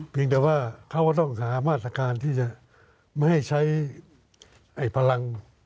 เพียงแต่ว่าเขาก็ต้องสามารถการที่จะไม่ให้ใช้พลัง